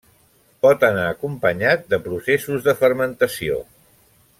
Pot anar acompanyat de processos de fermentació.